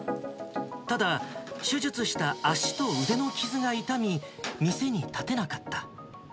ただ、手術した足と腕の傷が痛み、店に立てなかった。